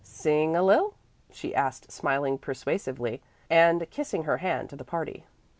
"Sing a lil'?" she asked, smiling persuasively and kissing her hand to the party.